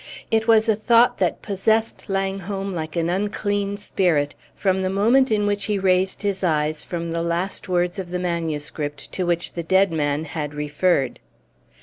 It was a thought that possessed Langholm like an unclean spirit from the moment in which he raised his eyes from the last words of the manuscript to which the dead man had referred.